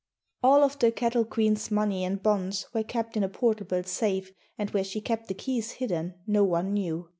All of the Cattle Queen's money and bonds were kept in a portable safe and where she kept the keys hidden no one knew.